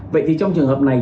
vậy thì trong trường hợp này